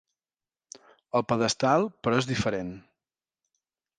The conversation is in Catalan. El pedestal és però diferent.